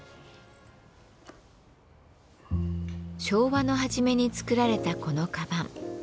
昭和の初めに作られたこの鞄。